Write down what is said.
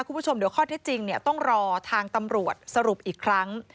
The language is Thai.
คุณผู้ชมเดี๋ยวข้อเท็จจริงต้องรอทางตำรวจสรุปอีกครั้ง